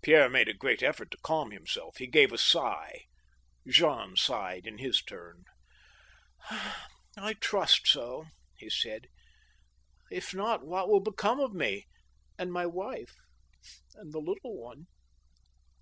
Pierre made a g^eat effort to calm himself. He gave a sigh. Jean sighed in his turn. " I trust so," he said ;" if not, what will become of me ? And my wife ? And the little one